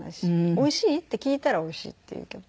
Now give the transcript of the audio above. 「おいしい？」って聞いたら「おいしい」って言うけど。